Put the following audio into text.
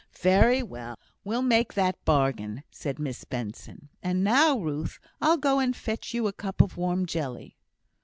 "Very well! we'll make that bargain," said Miss Benson; "and now, Ruth, I'll go and fetch you a cup of warm jelly."